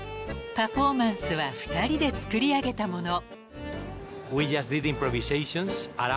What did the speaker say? ［パフォーマンスは二人で作り上げたもの］